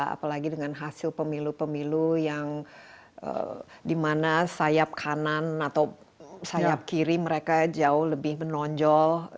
apalagi dengan hasil pemilu pemilu yang dimana sayap kanan atau sayap kiri mereka jauh lebih menonjol